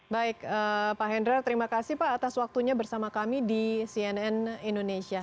baik pak hendra terima kasih pak atas waktunya bersama kami di cnn indonesia